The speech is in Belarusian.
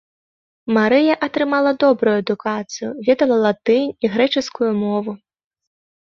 Марыя атрымала добрую адукацыю, ведала латынь і грэчаскую мову.